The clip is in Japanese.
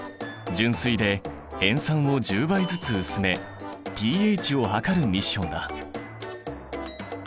純水で塩酸を１０倍ずつ薄めｐＨを測るミッションだ。